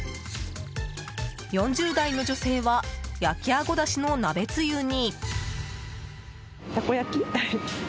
４０代の女性は焼きあごだしの鍋つゆに。